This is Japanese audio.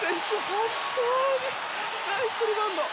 本当にナイスリバウンド！